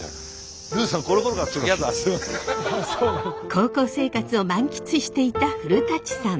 高校生活を満喫していた古さん。